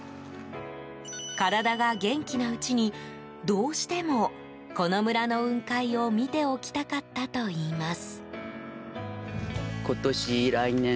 体が元気なうちにどうしても、この村の雲海を見ておきたかったといいます。